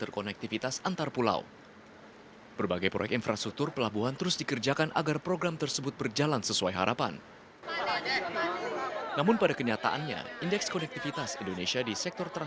kepala pemerintah indonesia